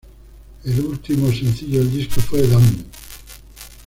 El último sencillo del disco fue “Damn!